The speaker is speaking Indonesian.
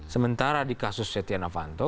sementara di kasus setia novanto